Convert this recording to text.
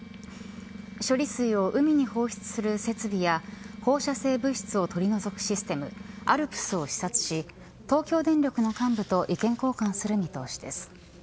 処理水を海に放出する設備や放射性物質を取り除くシステムＡＬＰＳを視察し東京電力の幹部と意見交換する見通しです。